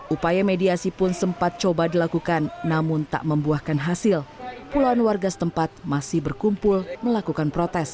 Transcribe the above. upaya mediasi pun sempat coba dilakukan namun tak membuahkan hasil puluhan warga setempat masih berkumpul melakukan protes